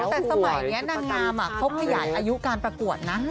แต่สมัยนี้นางงามเขาขยายอายุการประกวดนะ